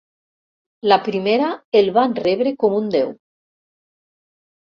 La primera el van rebre com un déu.